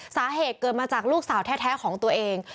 สาเหตุเกิดมาจากลูกสาวแท้ของตัวเอง